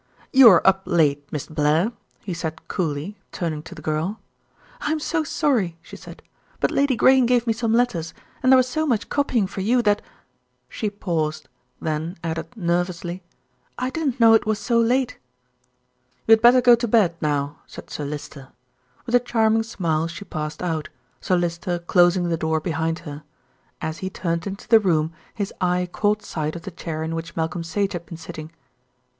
"You are up late, Miss Blair," he said coolly, turning to the girl. "I'm so sorry," she said; "but Lady Grayne gave me some letters, and there was so much copying for you that " She paused, then added nervously, "I didn't know it was so late." "You had better go to bed, now," said Sir Lyster. With a charming smile she passed out, Sir Lyster closing the door behind her. As he turned into the room his eye caught sight of the chair in which Malcolm Sage had been sitting.